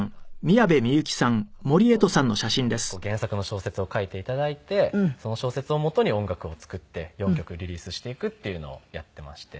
４名の作家の方に原作の小説を書いて頂いてその小説を基に音楽を作って４曲リリースしていくっていうのをやってまして。